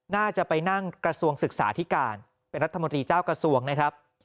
น่าจะไปนั่งกระทรวงศึกษาที่การเป็นรัฐมนตรีเจ้ากระทรวงนะครับ